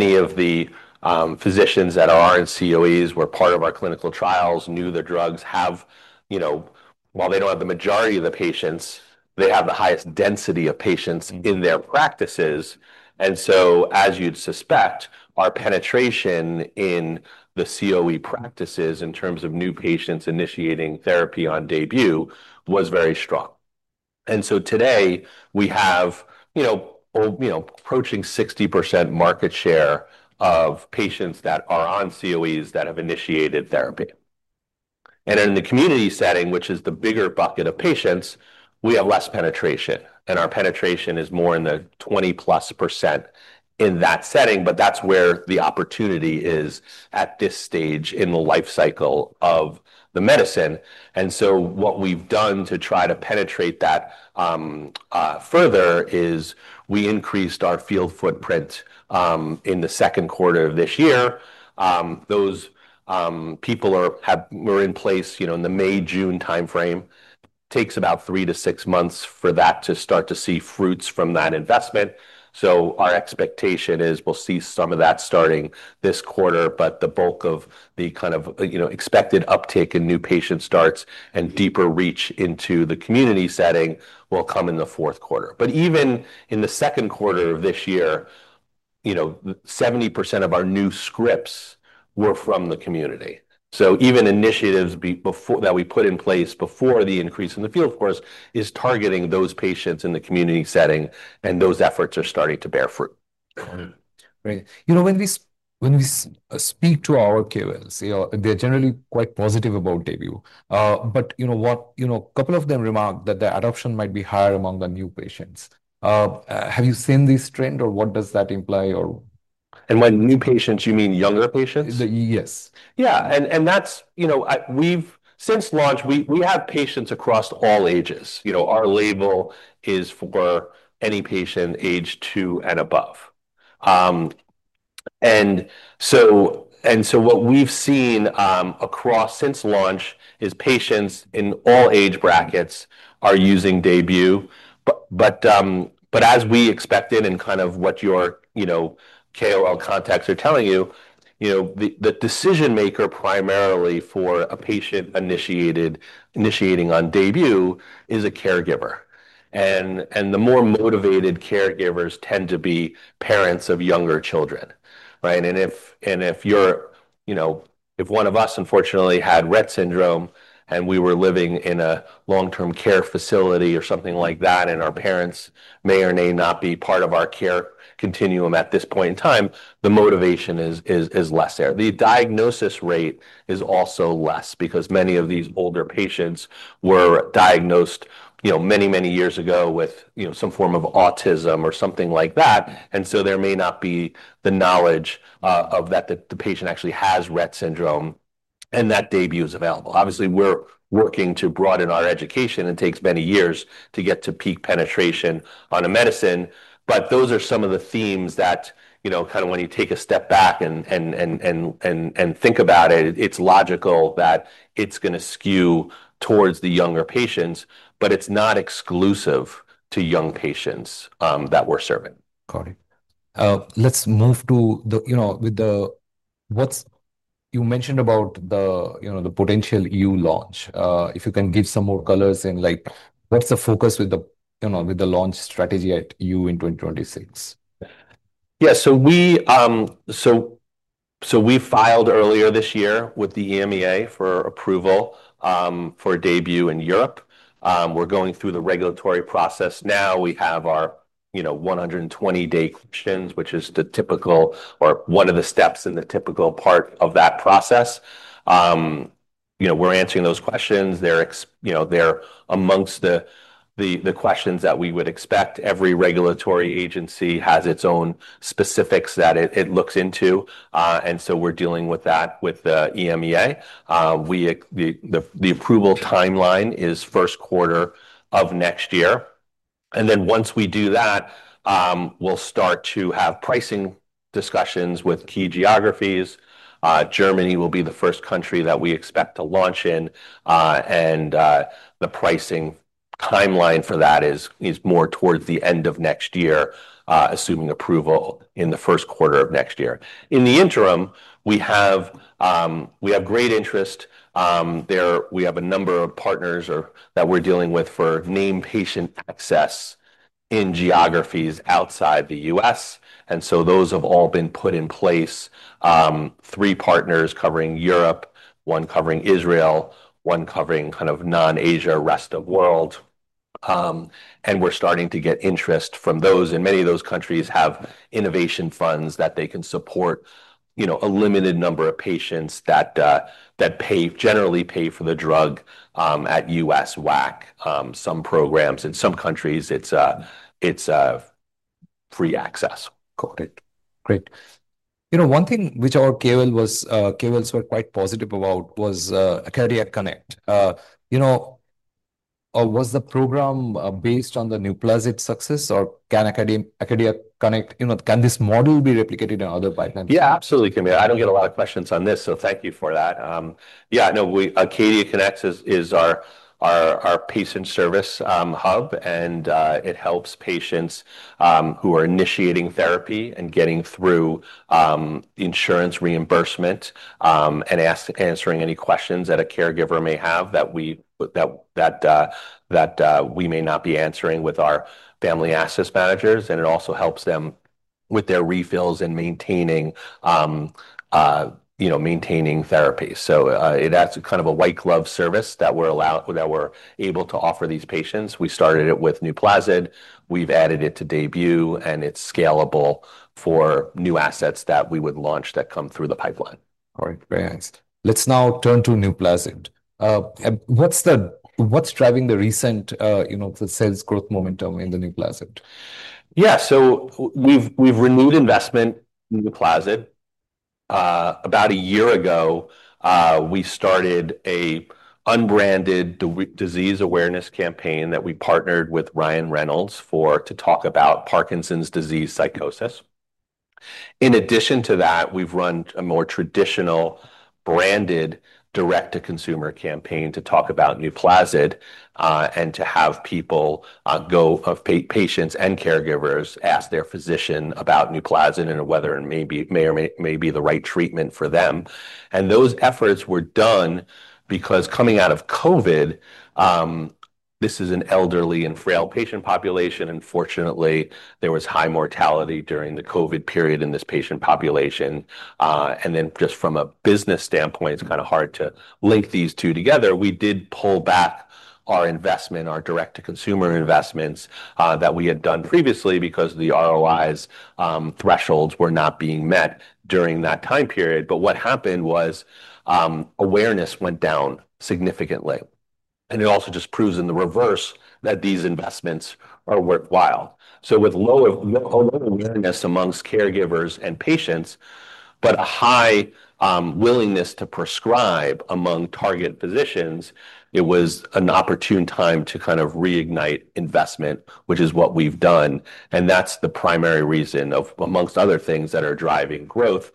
Many of the physicians that are in COEs were part of our clinical trials, knew the drugs, have, you know, while they don't have the majority of the patients, they have the highest density of patients in their practices. As you'd suspect, our penetration in the COE practices in terms of new patients initiating therapy on DAYBUE was very strong. Today we have, you know, or you know, approaching 60% market share of patients that are in COEs that have initiated therapy. In the community setting, which is the bigger bucket of patients, we have less penetration, and our penetration is more in the 20+% in that setting. That's where the opportunity is at this stage in the lifecycle of the medicine. What we've done to try to penetrate that further is we increased our field footprint in the second quarter of this year. Those people were in place in the May-June timeframe. It takes about 3 to 6 months for that to start to see fruits from that investment. Our expectation is we'll see some of that starting this quarter. The bulk of the kind of, you know, expected uptake in new patient starts and deeper reach into the community setting will come in the fourth quarter. Even in the second quarter of this year, 70% of our new scripts were from the community. Even initiatives that we put in place before the increase in the field, of course, is targeting those patients in the community setting, and those efforts are starting to bear fruit. Right. When we speak to our KOLs, they're generally quite positive about DAYBUE. A couple of them remarked that the adoption might be higher among the new patients. Have you seen this trend, or what does that imply? When new patients, you mean younger patients? Yes. Yeah. We've since launched, we have patients across all ages. Our label is for any patient aged two and above. What we've seen since launch is patients in all age brackets are using DAYBUE. As we expected and kind of what your KOL contacts are telling you, the decision maker primarily for a patient initiating on DAYBUE is a caregiver. The more motivated caregivers tend to be parents of younger children. Right. If one of us unfortunately had Rett syndrome and we were living in a long-term care facility or something like that, and our parents may or may not be part of our care continuum at this point in time, the motivation is less there. The diagnosis rate is also less because many of these older patients were diagnosed many years ago with some form of autism or something like that. There may not be the knowledge that the patient actually has Rett syndrome and that DAYBUE is available. Obviously, we're working to broaden our education. It takes many years to get to peak penetration on a medicine. Those are some of the themes that, when you take a step back and think about it, it's logical that it's going to skew towards the younger patients, but it's not exclusive to young patients that we're serving. Got it. Let's move to what you mentioned about the potential EU launch. If you can give some more colors, what's the focus with the launch strategy at EU in 2026? Yeah. We filed earlier this year with the European Medicines Agency for approval for DAYBUE in Europe. We're going through the regulatory process now. We have our 120-day questions, which is one of the steps in the typical part of that process. We're answering those questions. They're amongst the questions that we would expect. Every regulatory agency has its own specifics that it looks into, and so we're dealing with that with the European Medicines Agency. The approval timeline is first quarter of next year. Once we do that, we'll start to have pricing discussions with key geographies. Germany will be the first country that we expect to launch in, and the pricing timeline for that is more towards the end of next year, assuming approval in the first quarter of next year. In the interim, we have great interest. We have a number of partners that we're dealing with for named patient access in geographies outside the U.S., and those have all been put in place. Three partners covering Europe, one covering Israel, one covering kind of non-Asia, rest of the world, and we're starting to get interest from those. Many of those countries have innovation funds that can support a limited number of patients that generally pay for the drug at U.S. WAC. Some programs in some countries, it's free access. Got it. Great. You know, one thing which our KOLs were quite positive about was Acadia Connect. You know, was the program based on the NUPLAZID's success, or can Acadia Connect, you know, can this model be replicated in other pipelines? Yeah, absolutely. I mean, I don't get a lot of questions on this, so thank you for that. Yeah, no, we, Acadia Connect is our patient service hub, and it helps patients who are initiating therapy and getting through insurance reimbursement, and answering any questions that a caregiver may have that we may not be answering with our family access managers. It also helps them with their refills and maintaining therapy. That's kind of a white glove service that we're able to offer these patients. We started it with NUPLAZID. We've added it to DAYBUE, and it's scalable for new assets that we would launch that come through the pipeline. All right. Very nice. Let's now turn to NUPLAZID. What's driving the recent, you know, the sales growth momentum in NUPLAZID? Yeah. We've renewed investment in NUPLAZID. About a year ago, we started an unbranded disease awareness campaign that we partnered with Ryan Reynolds for to talk about Parkinson’s disease psychosis. In addition to that, we've run a more traditional branded direct-to-consumer campaign to talk about NUPLAZID and to have people, patients and caregivers, ask their physician about NUPLAZID and whether it may be the right treatment for them. Those efforts were done because coming out of COVID, this is an elderly and frail patient population. Unfortunately, there was high mortality during the COVID period in this patient population. From a business standpoint, it's kind of hard to link these two together. We did pull back our direct-to-consumer investments that we had done previously because the ROI thresholds were not being met during that time period. What happened was, awareness went down significantly. It also just proves in the reverse that these investments are worthwhile. With low awareness amongst caregivers and patients, but a high willingness to prescribe among target physicians, it was an opportune time to reignite investment, which is what we've done. That's the primary reason, amongst other things, that are driving growth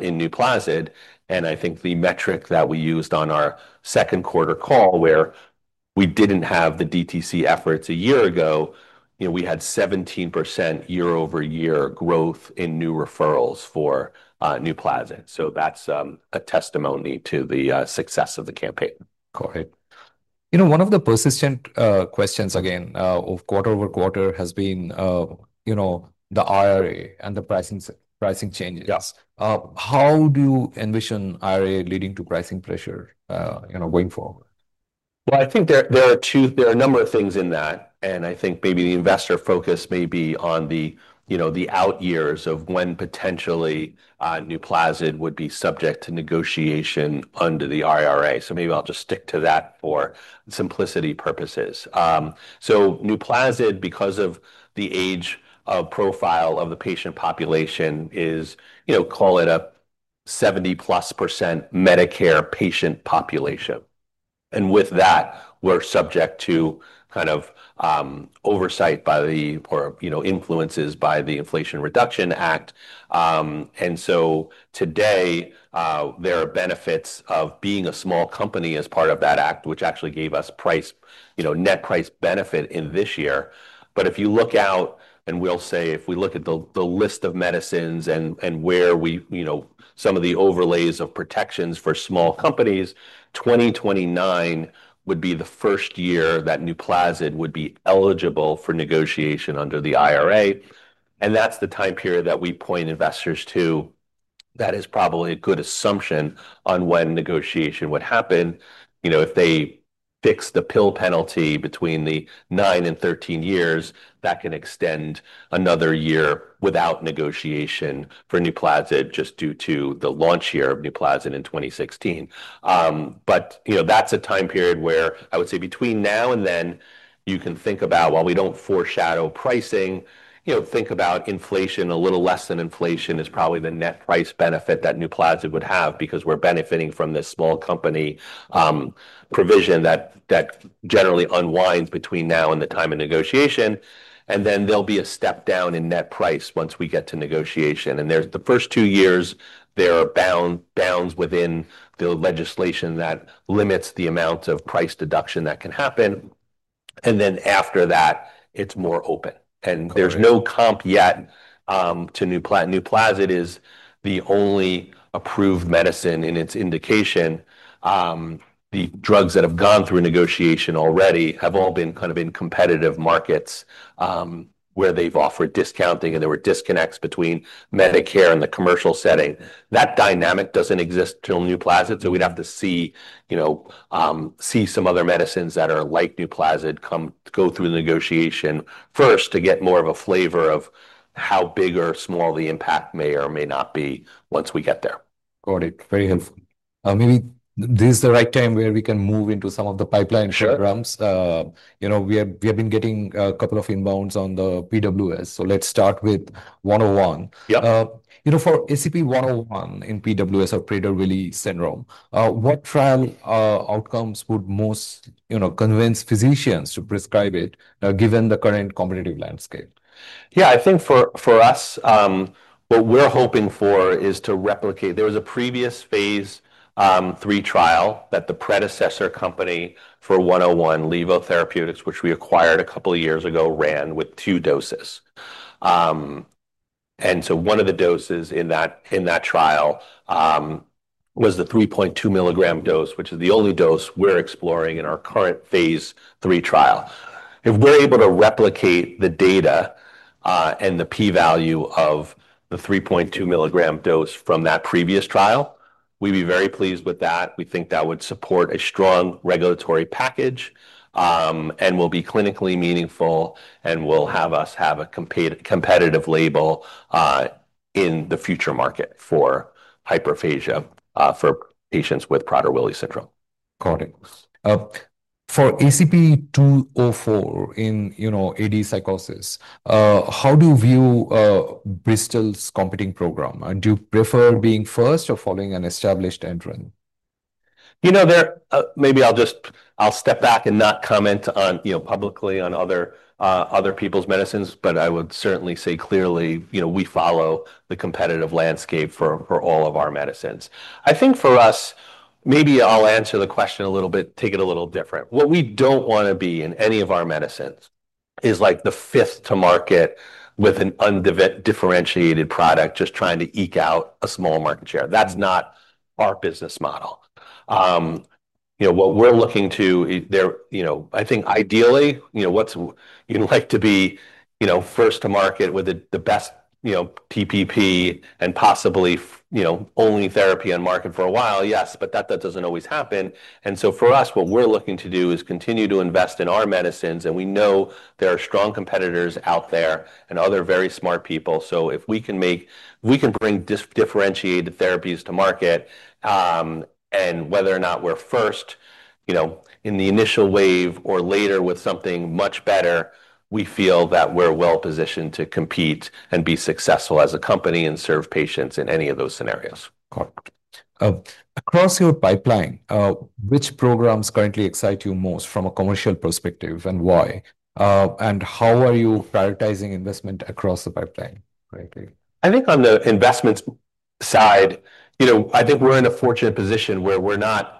in NUPLAZID. I think the metric that we used on our second quarter call where we didn't have the DTC efforts a year ago, we had 17% year-over-year growth in new referrals for NUPLAZID. That's a testimony to the success of the campaign. Got it. One of the persistent questions, again, quarter over quarter, has been the IRA and the pricing changes. How do you envision IRA leading to pricing pressure going forward? I think there are two, there are a number of things in that. I think maybe the investor focus may be on the out years of when potentially, NUPLAZID would be subject to negotiation under the IRA. Maybe I'll just stick to that for simplicity purposes. NUPLAZID, because of the age profile of the patient population, is, you know, call it a 70+% Medicare patient population. With that, we're subject to kind of oversight by the, or, you know, influences by the Inflation Reduction Act. Today, there are benefits of being a small company as part of that act, which actually gave us net price benefit in this year. If you look out, and we'll say, if we look at the list of medicines and where we, you know, some of the overlays of protections for small companies, 2029 would be the first year that NUPLAZID would be eligible for negotiation under the IRA. That's the time period that we point investors to. That is probably a good assumption on when negotiation would happen. If they fix the pill penalty between the nine and 13 years, that can extend another year without negotiation for NUPLAZID just due to the launch year of NUPLAZID in 2016. That's a time period where I would say between now and then you can think about, while we don't foreshadow pricing, you know, think about inflation, a little less than inflation is probably the net price benefit that NUPLAZID would have because we're benefiting from this small company provision that generally unwinds between now and the time of negotiation. Then there'll be a step down in net price once we get to negotiation. There's the first two years, there are bounds within the legislation that limit the amounts of price deduction that can happen. After that, it's more open. There's no comp yet to NUPLAZID. NUPLAZID is the only approved medicine in its indication. The drugs that have gone through negotiation already have all been in competitive markets, where they've offered discounting and there were disconnects between Medicare and the commercial setting. That dynamic doesn't exist in NUPLAZID. We'd have to see some other medicines that are like NUPLAZID go through the negotiation first to get more of a flavor of how big or small the impact may or may not be once we get there. Got it. Very helpful. Maybe this is the right time where we can move into some of the pipeline updates. You know, we have been getting a couple of inbounds on the PWS. Let's start with 101. Yeah. For ACP-101 in Prader-Willi syndrome, what trial outcomes would most convince physicians to prescribe it given the current competitive landscape? Yeah, I think for us, what we're hoping for is to replicate. There was a previous phase 3 trial that the predecessor company for ACP-101, Levotherapeutics, which we acquired a couple of years ago, ran with two doses. One of the doses in that trial was the 3.2 milligram dose, which is the only dose we're exploring in our current phase 3 trial. If we're able to replicate the data and the P-value of the 3.2 milligram dose from that previous trial, we'd be very pleased with that. We think that would support a strong regulatory package and will be clinically meaningful and will have us have a competitive label in the future market for hyperphagia for patients with Prader-Willi syndrome. Got it. For ACP-204 in, you know, Alzheimer’s disease psychosis, how do you view Bristol's competing program? Do you prefer being first or following an established entrant? Maybe I'll just step back and not comment publicly on other people's medicines, but I would certainly say clearly we follow the competitive landscape for all of our medicines. I think for us, maybe I'll answer the question a little bit, take it a little different. What we don't want to be in any of our medicines is like the fifth to market with an undifferentiated product, just trying to eke out a small market share. That's not our business model. What we're looking to there, I think ideally, what you'd like to be is first to market with the best TPP and possibly only therapy on market for a while. Yes, but that doesn't always happen. For us, what we're looking to do is continue to invest in our medicines, and we know there are strong competitors out there and other very smart people. If we can bring differentiated therapies to market, and whether or not we're first in the initial wave or later with something much better, we feel that we're well positioned to compete and be successful as a company and serve patients in any of those scenarios. Got it. Across your pipeline, which programs currently excite you most from a commercial perspective and why? How are you prioritizing investment across the pipeline? I think on the investment side, I think we're in a fortunate position where we're not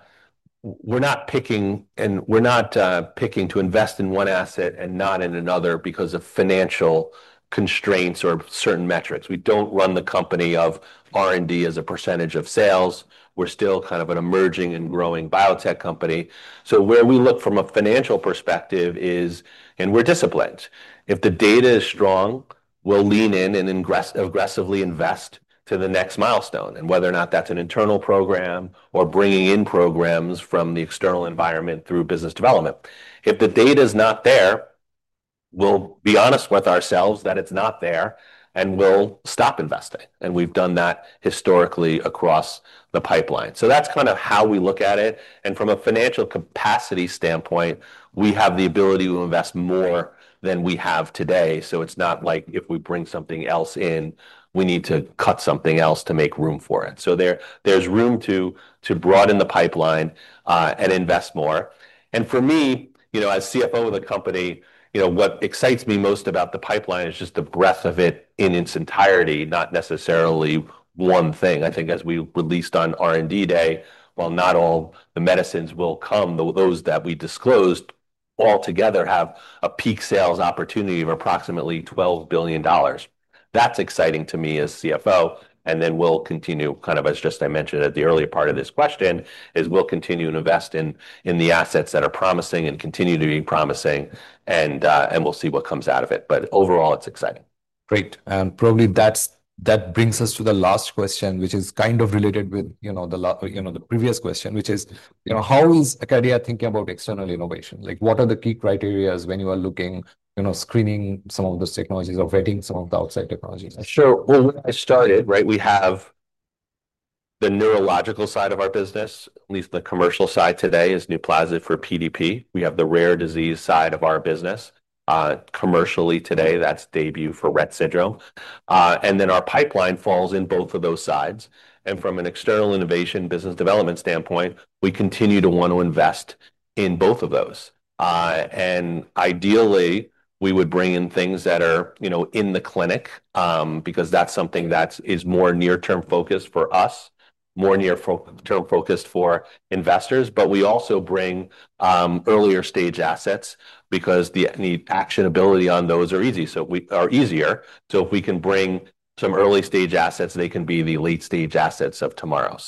picking and we're not picking to invest in one asset and not in another because of financial constraints or certain metrics. We don't run the company or R&D as a % of sales. We're still kind of an emerging and growing biotech company. Where we look from a financial perspective is, and we're disciplined, if the data is strong, we'll lean in and aggressively invest to the next milestone. Whether or not that's an internal program or bringing in programs from the external environment through business development, if the data is not there, we'll be honest with ourselves that it's not there and we'll stop investing. We've done that historically across the pipeline. That's kind of how we look at it. From a financial capacity standpoint, we have the ability to invest more than we have today. It's not like if we bring something else in, we need to cut something else to make room for it. There's room to broaden the pipeline and invest more. For me, as CFO of the company, what excites me most about the pipeline is just the breadth of it in its entirety, not necessarily one thing. I think as we released on R&D day, while not all the medicines will come, those that we disclosed altogether have a peak sales opportunity of approximately $12 billion. That's exciting to me as CFO. We'll continue, as I mentioned at the earlier part of this question, to invest in the assets that are promising and continue to be promising. We'll see what comes out of it. Overall, it's exciting. Great. That brings us to the last question, which is kind of related to the previous question, which is, how is Acadia Pharmaceuticals thinking about external innovation? What are the key criteria when you are looking at screening some of those technologies or vetting some of the outside technologies? Sure. I started, right? We have the neurological side of our business, at least the commercial side today, which is NUPLAZID for PDP. We have the rare disease side of our business, commercially today, that's DAYBUE for Rett syndrome. Our pipeline falls in both of those sides. From an external innovation business development standpoint, we continue to want to invest in both of those, and ideally, we would bring in things that are in the clinic, because that's something that is more near-term focused for us, more near-term focused for investors. We also bring earlier stage assets because the actionability on those is easier. If we can bring some early stage assets, they can be the late stage assets of tomorrow.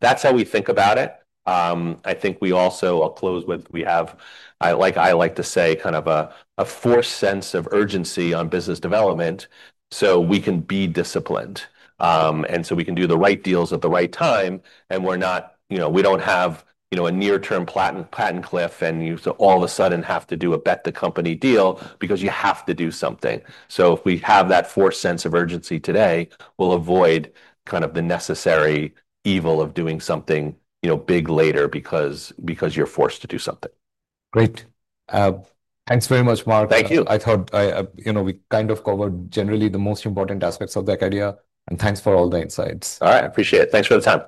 That's how we think about it. I think we also will close with, I like to say, kind of a forced sense of urgency on business development so we can be disciplined and do the right deals at the right time. We're not, you know, we don't have a near-term patent cliff and all of a sudden have to do a bet-the-company deal because you have to do something. If we have that forced sense of urgency today, we'll avoid the necessary evil of doing something big later because you're forced to do something. Great. Thanks very much, Mark. Thank you. I thought we kind of covered generally the most important aspects of Acadia Pharmaceuticals. Thanks for all the insights. All right. I appreciate it. Thanks for the time.